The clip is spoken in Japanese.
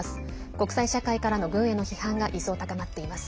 国際社会からの軍への批判が一層、高まっています。